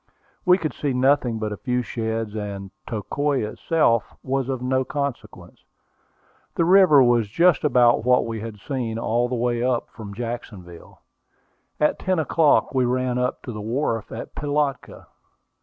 We could see nothing but a few sheds, and Tocoi itself was of no consequence. The river was just about what we had seen all the way up from Jacksonville. At ten o'clock we ran up to the wharf at Pilatka.